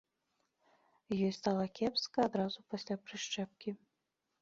Ёй стала кепска адразу пасля прышчэпкі.